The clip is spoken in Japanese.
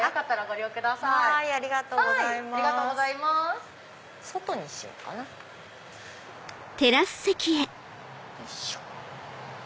よいしょ。